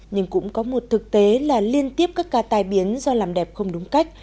nhưng cũng có một thực tế là liên tiếp các ca tai biến do làm đẹp không đúng cách